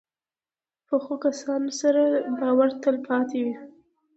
پخو کسانو سره باور تل پاتې وي